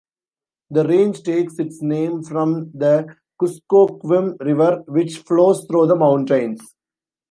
The range takes its name from the Kuskokwim River, which flows through the mountains.